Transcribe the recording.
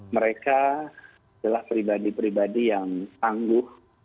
mereka adalah pribadi pribadi yang tangguh